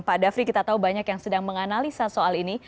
pak dhafri kita tahu banyak yang sedang menganalisa soal ini